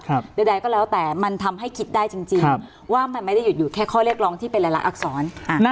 ใดก็แล้วแต่มันทำให้คิดได้จริงว่ามันไม่ได้หยุดอยู่แค่ข้อเรียกร้องที่เป็นหลายละอักษรอ่า